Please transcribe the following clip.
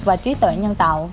và trí tuệ nhân tạo